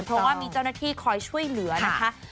เพราะว่ามีเจ้าหน้าที่คอยช่วยเหลือนะคะ